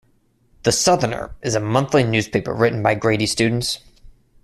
"The Southerner" is a monthly newspaper written by Grady students.